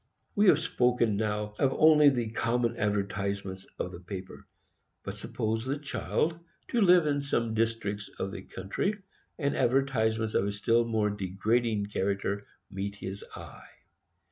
We have spoken now of only the common advertisements of the paper; but suppose the child to live in some districts of the country, and advertisements of a still more degrading character meet his eye.